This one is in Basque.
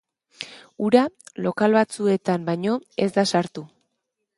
Ura lokal batzuetan baino ez da sartu.